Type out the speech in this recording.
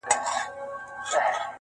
خو بدلون بشپړ نه وي هېڅکله,